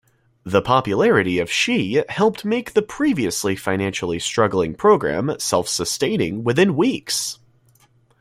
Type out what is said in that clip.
The popularity of Shea helped make the previously financially struggling program self-sustaining within weeks.